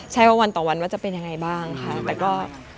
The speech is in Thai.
ใช่ว่าวันต่อวันว่าจะเป็นยังไงบ้างค่ะแต่ก็